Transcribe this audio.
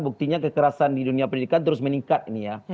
buktinya kekerasan di dunia pendidikan terus meningkat ini ya